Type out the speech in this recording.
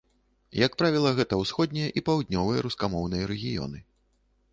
Як правіла, гэта ўсходнія і паўднёвыя рускамоўныя рэгіёны.